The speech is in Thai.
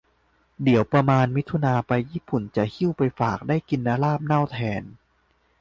เดี๋ยวประมาณมิถุนาไปญี่ปุ่นจะหิ้วไปฝาก ได้กินลาบเน่าแทน